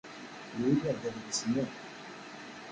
Yewwi-a?-d adlis-nni.